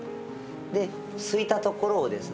ですいたところをですね